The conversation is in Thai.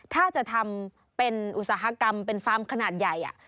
ถ้าจะทำเป็นอุตสาหกรรมเป็นฟาร์มขนาดใหญ่